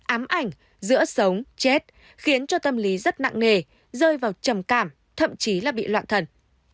ám ảnh giữa sống chết khiến cho tâm lý rất nặng nề rơi vào trầm cảm thậm chí là bị loạn thần